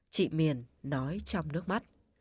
chị miền nói trong nước mắt